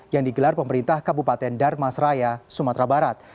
yang digelar pemerintah kabupaten darmasraya sumatera barat